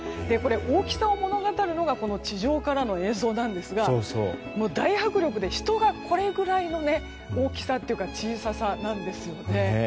大きさを物語るのが地上からの映像なんですが大迫力で人がこれぐらいの大きさ小ささなんですよね。